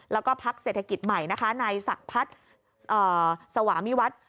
แล้วก็พักเศรษฐกิจใหม่นะคะนายศักดิ์พัฒน์สวามิวัฒน์